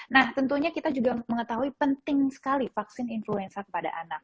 nah tentunya kita juga mengetahui penting sekali vaksin influenza kepada anak